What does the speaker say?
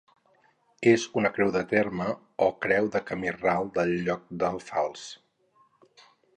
És una creu de terme o creu de camí ral del lloc de Fals.